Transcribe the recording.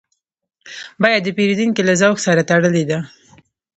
بیه د پیرودونکي له ذوق سره تړلې ده.